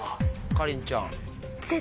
かりんちゃん。